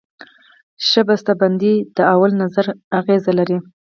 ښه بسته بندي د لومړي نظر اغېز لري.